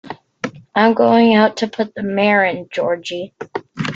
I’m going out to put the mare in, Georgie.